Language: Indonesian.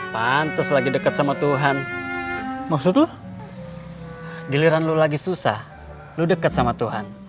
pantes lagi dekat sama tuhan maksud lu giliran lu lagi susah lu dekat sama tuhan